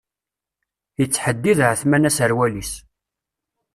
Yettḥeddid Ԑetman aserwal-is.